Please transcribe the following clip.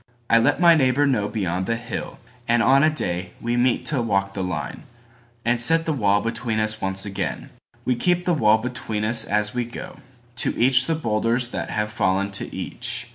I let my neighbor know beyond the hill; And on a day we meet to walk the lineAnd set the wall between us once again. We keep the wall between us as we go. To each the boulders that have fallen to each.